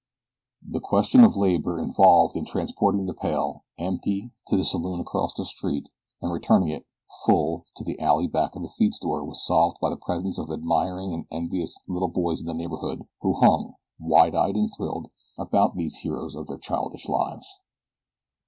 The question of labor involved in transporting the pail, empty, to the saloon across the street, and returning it, full, to the alley back of the feed store was solved by the presence of admiring and envious little boys of the neighborhood who hung, wide eyed and thrilled, about these heroes of their childish lives.